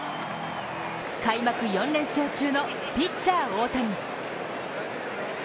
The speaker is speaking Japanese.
開幕４連勝中のピッチャー・大谷。